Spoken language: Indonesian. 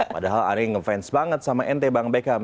padahal aneh ngefans banget sama ente bang beckham